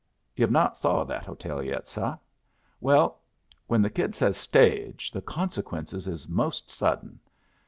"Yu've not saw that hotel yet, seh? Well, when the kid says 'Stage,' the consequences is most sudden.